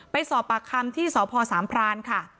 ไปสอบปากคำที่สพสามพรานค่ะ